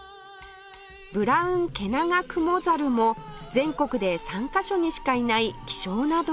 ブラウンケナガクモザルも全国で３カ所にしかいない希少な動物